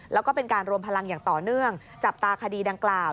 แล้วก็เป็นการรวมพลังอย่างต่อเนื่องจับตาคดีดังกล่าว